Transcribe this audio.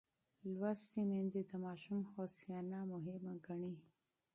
لوستې میندې د ماشوم هوساینه مهمه ګڼي.